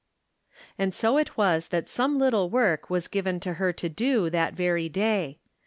And so it was that some little work was given her to do that very day.